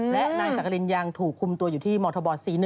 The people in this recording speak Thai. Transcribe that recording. และนายสักกรินยังถูกคุมตัวอยู่ที่มธบ๔๑